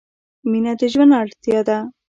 • مینه د ژوند اړتیا ده.